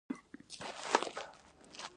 کابل پخوا د باغونو ښار و.